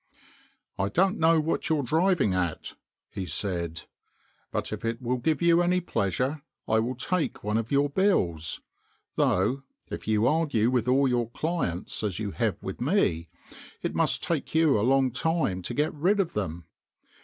" 1 don't know what you are driving at," he said, " but if it will give you any pleasure I will take one of your bills ; though if you argue with all your clients as you have with me, it must take you a long time to get rid of them."